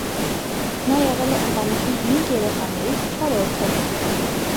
Նա եղել է ընտանիքի հինգ երեխաներից չորրորդը։